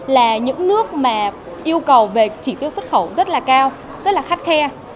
là những nước mà yêu cầu về chỉ tiêu xuất khẩu rất là cao rất là khắt khe